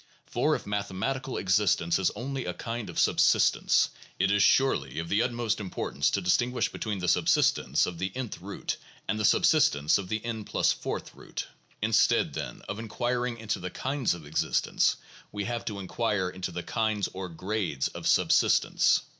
For, if mathematical existence is only a kind of subsistence, it is surely of the utmost importance to distinguish between the sub sistence of the wth root and the subsistence of the n p 4th root. In stead, then, of inquiring into the kinds of existence, we have to in quire into the kinds or grades of subsistence.